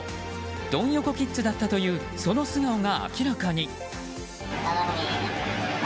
ドン横キッズだったというその素顔が明らかに。